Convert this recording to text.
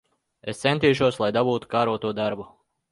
Es centīšos, lai dabūtu kāroto darbu.